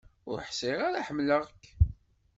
Ur ḥṣiɣ ara ḥemleɣ-k.